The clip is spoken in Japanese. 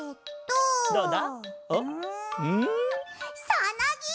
さなぎ！